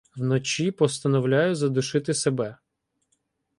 Вночі постановляю задушити себе.